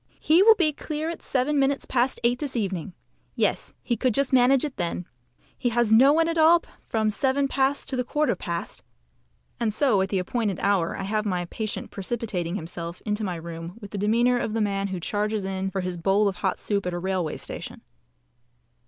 "He will be clear at seven minutes past eight this evening. Yes, he could just manage it then. He has no one at all from seven past to the quarter past" and so at the appointed hour I have my patient precipitating himself into my room with the demeanour of the man who charges in for his bowl of hot soup at a railway station.